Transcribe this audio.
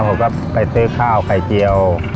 ผมก็ไปซื้อข้าวไข่เจียว